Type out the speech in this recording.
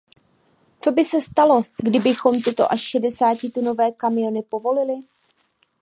Co by se stalo, kdybychom tyto až šedesátitunové kamiony povolili?